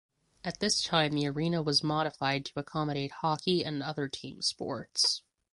At this time the arena was modified to accommodate hockey and other team sports.